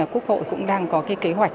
quốc hội cũng đang có kế hoạch